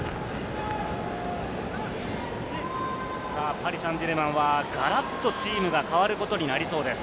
パリ・サンジェルマンはガラっとチームが変わることになりそうです。